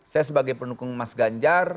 saya sebagai pendukung mas ganjar